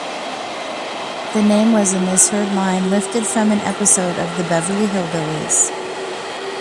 The name was a misheard line lifted from an episode of "The Beverly Hillbillies".